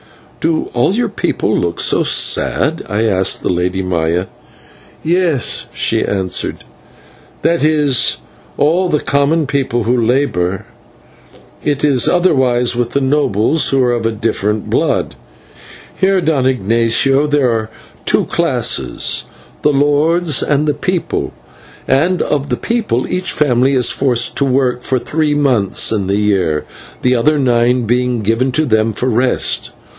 "Do all your people look so sad?" I asked the Lady Maya. "Yes," she answered, "that is, all the common people who labour. It is otherwise with the nobles, who are of a different blood. Here, Don Ignatio, there are two classes, the lords and the people, and of the people each family is forced to work for three months in the year, the other nine being given to them for rest.